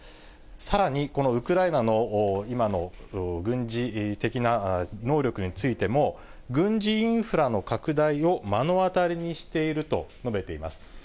さらに、このウクライナの今の軍事的な能力についても、軍事インフラの拡大を目の当たりにしていると述べています。